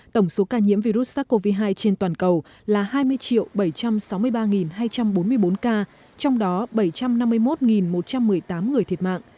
tổng số ca nhiễm virus sars cov hai trên toàn cầu là hai mươi bảy trăm sáu mươi ba hai trăm bốn mươi bốn ca trong đó bảy trăm năm mươi một một trăm một mươi tám người thiệt mạng